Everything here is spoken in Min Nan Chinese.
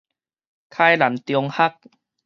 開南中學